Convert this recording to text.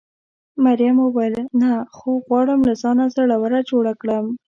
مريم وویل: نه، خو غواړم له ځانه زړوره جوړه کړم.